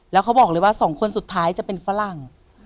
แล้วเขาบอกเลยว่าสองคนสุดท้ายจะเป็นฝรั่ง